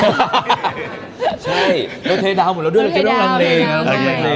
ใช่เราเทดาวน์หมดเราด้วยเราก็ด้วยลำเล